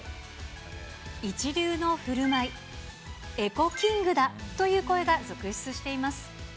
一流のふるまい、エコキングだという声が続出しています。